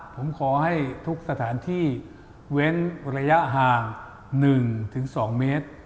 ผมขอให้ทุกสถานที่เว้นระยะห่าง๑๒เมตร